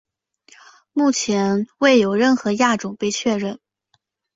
目前未有任何亚种被确认。